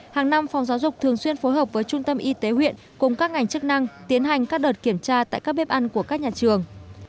hàng năm phòng giáo dục thường xuyên phối hợp với trung tâm y tế huyện cùng các ngành chức năng tiến hành các đợt kiểm tra tại các bếp ăn của các nhà trường